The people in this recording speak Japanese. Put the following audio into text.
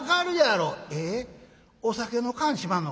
お酒の燗しまんのか。